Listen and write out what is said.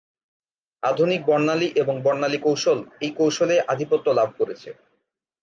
আধুনিক বর্ণালী এবং বর্ণালী কৌশল এই কৌশলে আধিপত্য লাভ করেছে।